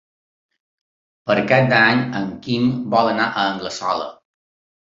Per Cap d'Any en Quim vol anar a Anglesola.